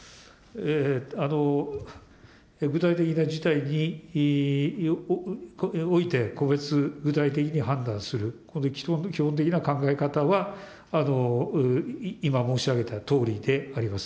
具体的な事態において、個別具体的に判断する、この基本的な考え方は今、申し上げたとおりであります。